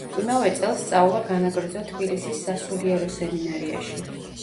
იმავე წელს სწავლა განაგრძო თბილისის სასულიერო სემინარიაში.